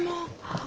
あ。